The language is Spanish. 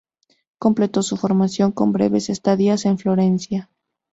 Completó su formación con breves estadías en Florencia.